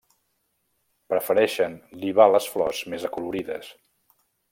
Prefereixen libar les flors més acolorides.